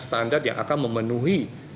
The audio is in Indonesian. standar yang akan memenuhi